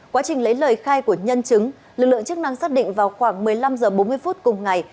quá trình lấy lời khai của nhân chứng lực lượng chức năng xác định vào khoảng một mươi năm h bốn mươi phút cùng ngày